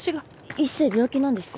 一星病気なんですか？